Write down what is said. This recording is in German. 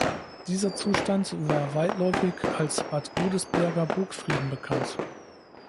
Dieser Zustand war weitläufig als „Bad Godesberger Burgfrieden“ bekannt.